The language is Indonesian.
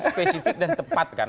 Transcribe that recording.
spesifik dan tepat kan